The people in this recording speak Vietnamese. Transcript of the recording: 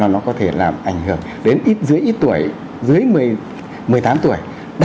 nó có thể làm ảnh hưởng đến ít dưới ít tuổi dưới một mươi tám tuổi